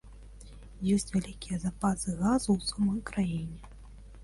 Ёсць вялікія запасы газу ў самой краіне.